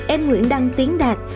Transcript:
em nguyễn đăng tiến đạt